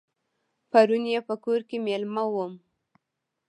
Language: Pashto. پرون یې په کور کې مېلمه وم.